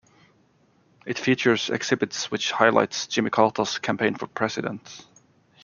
It features exhibits which highlight Jimmy Carter's campaign for President.